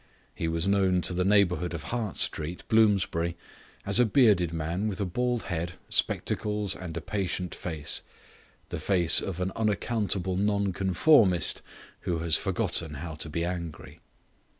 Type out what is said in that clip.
He was known to the neighbourhood of Hart Street, Bloomsbury, as a bearded man with a bald head, spectacles, and a patient face, the face of an unaccountable Nonconformist who had forgotten how to be angry.